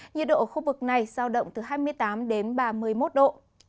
nhiệt độ ở khu vực này sao động từ hai mươi tám đến ba mươi một độ